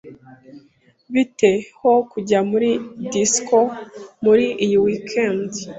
Bite ho kujya muri disco muri iyi weekend?